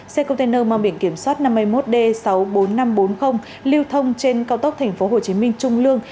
xe container mang biển kiểm soát năm mươi một d sáu mươi bốn nghìn năm trăm bốn mươi lưu thông trên cao tốc tp hcm trung lương